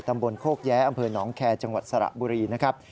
ตำบลโคกแย้อำเภอหนองแคร์จังหวัดสระบุรีนะครับ